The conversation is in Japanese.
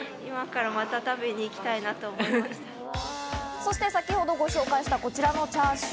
そして先程ご紹介した、こちらのチャーシュー。